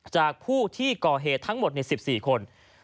จากผู้ที่ก่อเหตุทั้งหมดใน๑๔คน